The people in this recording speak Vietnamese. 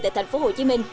tại thành phố hồ chí minh